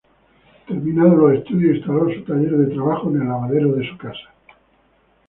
Terminados los estudios, instaló su taller de trabajo en el lavadero de su casa.